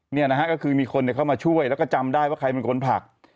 เนี่ยนะฮะก็คือมีคนเข้ามาช่วยแล้วก็จำได้ว่าใครเป็นคนผลัก